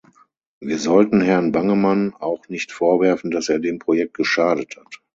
Wir sollten Herrn Bangemann auch nicht vorwerfen, dass er dem Projekt geschadet hat.